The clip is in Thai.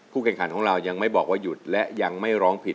แข่งขันของเรายังไม่บอกว่าหยุดและยังไม่ร้องผิด